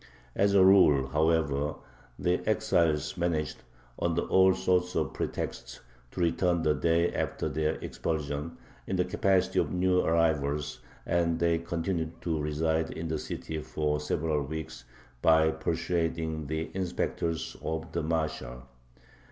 As a rule, however, the exiles managed, under all sorts of pretexts, to return the day after their expulsion, in the capacity of new arrivals, and they continued to reside in the city for several weeks by "persuading" the inspectors of the marshal.